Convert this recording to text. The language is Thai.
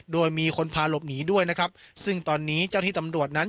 โดยมีคนพาหลบหนีด้วยนะครับซึ่งตอนนี้เจ้าที่ตำรวจนั้น